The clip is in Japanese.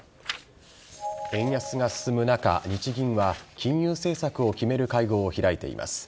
円安が進む中日銀は金融政策を決める会合を開いています。